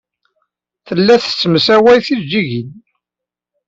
Tella tessemsaway tijejjigin.